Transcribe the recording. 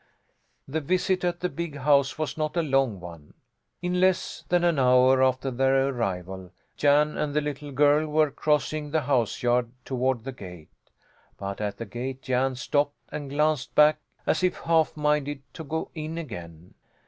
The visit at the big house was not a long one. In less than an hour after their arrival, Jan and the little girl were crossing the house yard toward the gate. But at the gate Jan stopped and glanced back, as if half minded to go in again.